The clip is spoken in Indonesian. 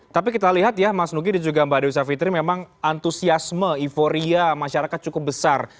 tapi kita lihat ya mas nugi dan juga mbak dewi savitri memang antusiasme euforia masyarakat cukup besar